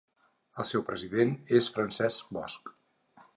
El seu president és Francesc Bosch.